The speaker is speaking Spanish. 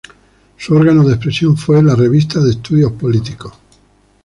Su órgano de expresión fue la "Revista de Estudios Políticos".